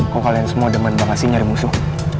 kok kalian semua demand banget sih nyari musuh